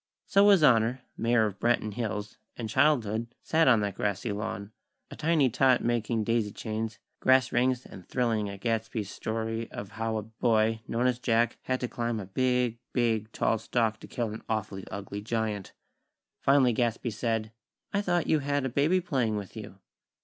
So His Honor, Mayor of Branton Hills, and Childhood sat on that grassy lawn; a tiny tot making daisy chains, grass rings, and thrilling at Gadsby's story of how a boy, known as Jack, had to climb a big, big tall stalk to kill an awfully ugly giant. Finally Gadsby said: "I thought you had a baby playing with you."